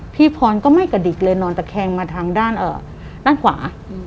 พี่พรก็ไม่กระดิกเลยนอนตะแคงมาทางด้านขวา